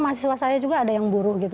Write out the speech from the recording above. asiswa saya juga ada yang buru gitu